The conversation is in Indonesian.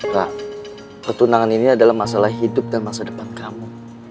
pak ketunangan ini adalah masalah hidup dan masa depan kamu